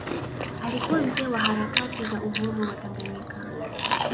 Alikuwa mzee wa harakati za uhuru wa Tanganyika